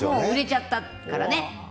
売れちゃったからね。